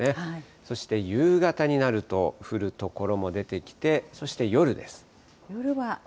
そして夕方になると降る所も出てきて、そして夜です。